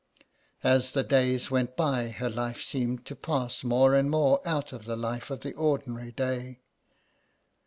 As the days went by her life seemed to pass more and more out of the life of the ordinary day.